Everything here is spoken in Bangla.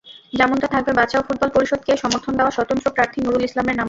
যেমনটা থাকবে বাঁচাও ফুটবল পরিষদকে সমর্থন দেওয়া স্বতন্ত্র প্রার্থী নুরুল ইসলামের নামও।